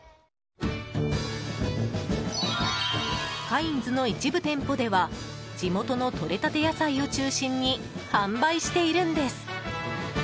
カインズの一部店舗では地元のとれたて野菜を中心に販売しているんです。